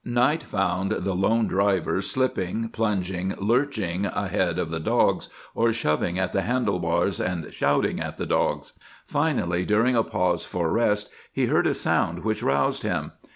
Night found the lone driver slipping, plunging, lurching ahead of the dogs, or shoving at the handle bars and shouting at the dogs. Finally, during a pause for rest he heard a sound which roused him.